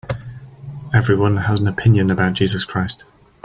Everyone has an opinion about Jesus Christ.